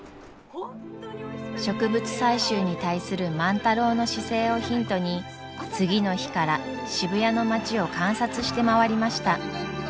植物採集に対する万太郎の姿勢をヒントに次の日から渋谷の町を観察して回りました。